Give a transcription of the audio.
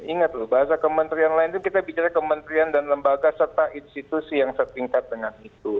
ingat loh bahasa kementerian lain itu kita bicara kementerian dan lembaga serta institusi yang setingkat dengan itu